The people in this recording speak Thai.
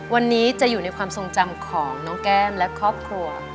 วันนี้จะอยู่ในความทรงจำของน้องแก้มและครอบครัว